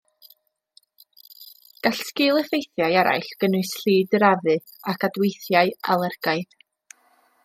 Gall sgil-effeithiau eraill gynnwys llid yr afu ac adweithiau alergaidd.